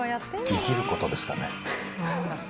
生きることですかね。